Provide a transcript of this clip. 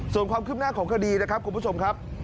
ส่วนความคืบหน้าของคดีนะครับคุณผู้ชมครับ